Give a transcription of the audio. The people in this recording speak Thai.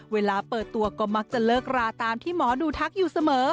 เวลาเปิดตัวก็มักจะเลิกราตามที่หมอดูทักอยู่เสมอ